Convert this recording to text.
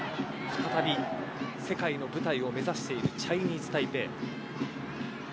再び、世界の舞台を目指しているチャイニーズタイペイ。